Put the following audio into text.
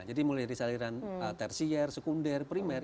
jadi mulai dari saluran tersier sekunder primer